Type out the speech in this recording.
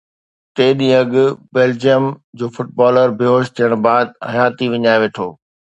ٽي ڏينهن اڳ بيلجيئم جو فٽبالر بي هوش ٿيڻ بعد حياتي وڃائي ويٺو